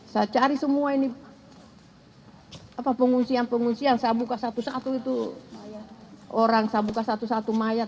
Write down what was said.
saya cari semua ini pengungsian pengungsian saya buka satu satu itu orang saya buka satu satu mayat